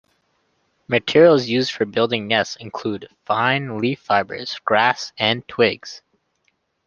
Materials used for building nests include fine leaf fibers, grass, and twigs.